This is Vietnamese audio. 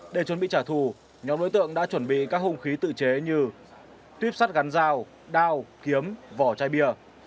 để chuẩn bị trả thù nhóm đối tượng đã chuẩn bị các hung khí tự chế như tuyếp sắt gắn dao đao kiếm vỏ chai bia